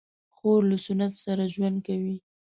خور له سنت سره ژوند کوي.